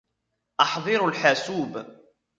أحضروا الحاسوب.